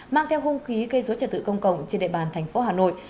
mang theo hung khí cây dối trả tự công cộng trên đệ bàn thành phố hà nội